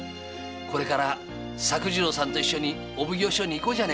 これから作次郎さんと一緒にお奉行所に行こう。